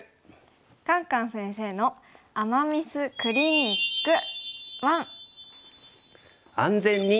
「カンカン先生の“アマ・ミス”クリニック１」。